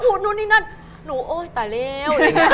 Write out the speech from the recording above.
หนูโอ๊ยตายแล้ว